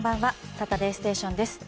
「サタデーステーション」です。